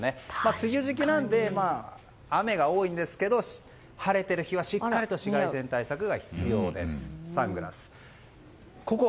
梅雨時期なので雨が多いんですが晴れている日は、しっかりと紫外線対策が必要です。